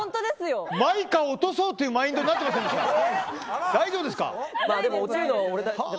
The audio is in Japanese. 舞香を落とそうというマインドになってませんでした。